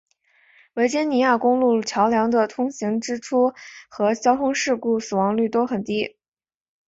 维珍尼亚公路桥梁的通行支出和交通事故死亡率都很低。